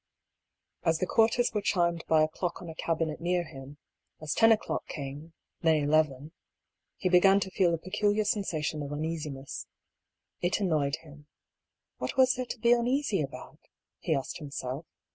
As the quarters were chimed by a clock on a cabinet near him, as ten o'clock came, then eleven — he began to feel a peculiar sensation of uneasiness. It annoyed him. What was there to be uneasy about? he asked himself.